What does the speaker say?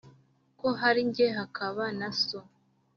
ko hari jye hakaba na so